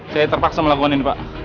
saya terpaksa melakukan ini pak